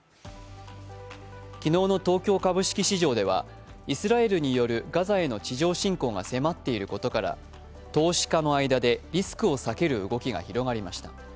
昨日の東京株式市場ではイスラエルによるガザへの地上侵攻が迫っていることから、投資家の間でリスクを避ける動きが広がりました。